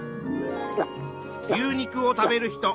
牛肉を食べる人。